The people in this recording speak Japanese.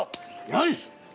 よし！